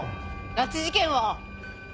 拉致事件は。